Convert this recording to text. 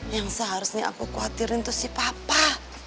yang seharusnya aku khawatirin itu si papa